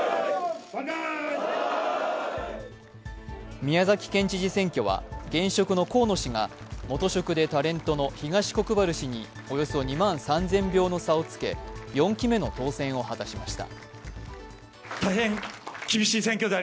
宮崎県知事選挙は現職の河野氏が元職でタレントの東国原氏におよそ２万３０００票の差をつけ４期目の当選を果たしました。